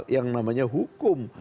yang bernama hukum